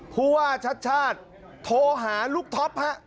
ผู้ว่าชาติชาติโทหาลูกท็อปค่ะ